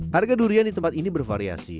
harga durian di tempat ini bervariasi